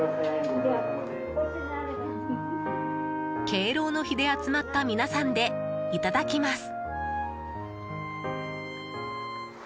敬老の日で集まった皆さんでいただきます。